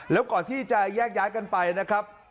แล้วก่อนที่จะแยกย้ายกันไปนะครับ